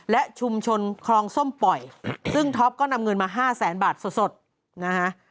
และชุมชนคลองส้มปล่อยซึ่งท็อปก็นำเงินมาห้าแสนบาทสดนะฮะ